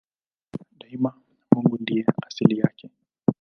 Daima Mungu ndiye asili yake.